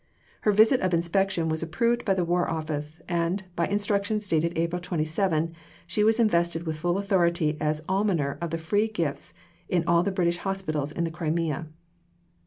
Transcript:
Her visit of inspection was approved by the War Office; and, by instructions dated April 27, she was invested with full authority as Almoner of the Free Gifts in all the British Hospitals in the Crimea.